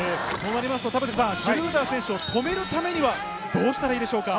田臥さん、シュルーダー選手を止めるためにはどうしたらいいですか？